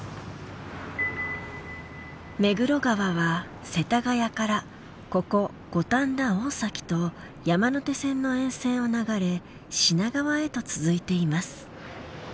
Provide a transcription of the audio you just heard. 目黒川は世田谷からここ五反田大崎と山手線の沿線を流れ品川へと続いています。